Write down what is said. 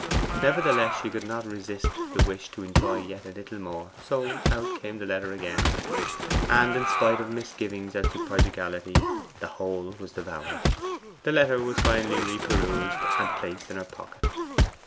Nevertheless, she could not resist the wish to enjoy yet a little more, so out came the letter again, and in spite of misgivings as to prodigality the whole was devoured. The letter was finally reperused and placed in her pocket.